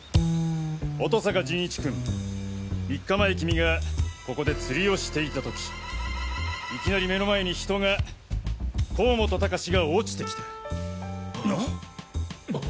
乙坂仁一君３日前キミがここで釣りをしていた時いきなり目の前に人が甲本高士が落ちてきた。